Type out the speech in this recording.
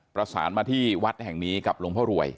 ประสานมาที่วัดแห่งนี้กับหลวงพ่อรวย